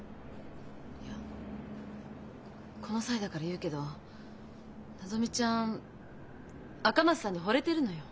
いやこの際だから言うけどのぞみちゃん赤松さんにほれてるのよ。